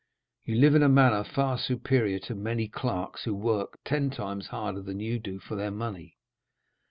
You live in a manner far superior to many clerks who work ten times harder than you do for their money.